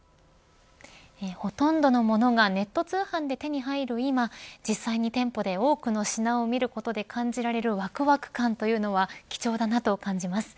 ほとんどのものがネット通販で手に入る今実際に店舗で多くの品を見ることで感じられるわくわく感というのは貴重だなと感じます。